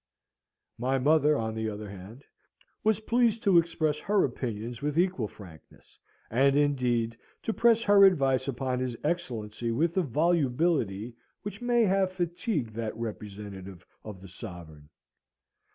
My mother, on the other hand, was pleased to express her opinions with equal frankness, and, indeed, to press her advice upon his Excellency with a volubility which may have fatigued that representative of the Sovereign.